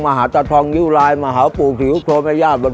มาหาตะทองยุลายมาหาปู่ศิษยุโศมยา